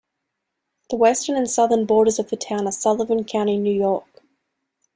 The western and southern borders of the town are Sullivan County, New York.